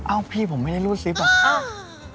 อ้าวพี่ผมไม่ได้ลูดซิปอ่ะอ้าว